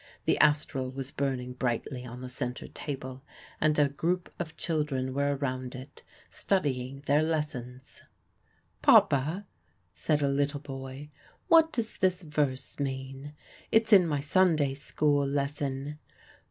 The astral was burning brightly on the centre table, and a group of children were around it, studying their lessons. "Papa," said a little boy, "what does this verse mean? It's in my Sunday school lesson.